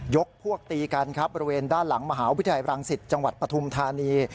พวกตีกันครับบริเวณด้านหลังมหาวิทยาลัยรังสิตจังหวัดปฐุมธานี